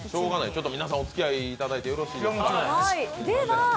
ちょっと皆さん、おつきあいいただいて、よろしいですか？